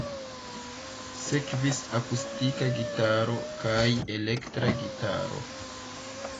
Sekvis akustika gitaro kaj elektra gitaro.